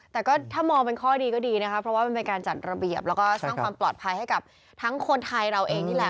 แต่ก็ถ้ามองเป็นข้อดีก็ดีนะคะเพราะว่ามันเป็นการจัดระเบียบแล้วก็สร้างความปลอดภัยให้กับทั้งคนไทยเราเองนี่แหละ